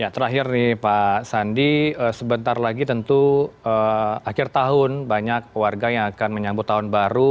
terakhir nih pak sandi sebentar lagi tentu akhir tahun banyak warga yang akan menyambut tahun baru